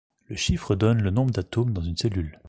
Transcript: Le chiffre donne le nombre d'atomes dans une cellule.